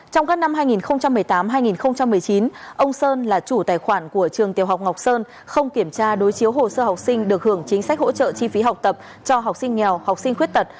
trong các năm hai nghìn một mươi tám hai nghìn một mươi chín ông sơn là chủ tài khoản của trường tiểu học ngọc sơn không kiểm tra đối chiếu hồ sơ học sinh được hưởng chính sách hỗ trợ chi phí học tập cho học sinh nghèo học sinh khuyết tật